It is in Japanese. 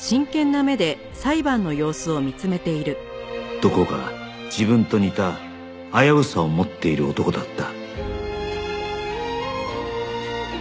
どこか自分と似た危うさを持っている男だった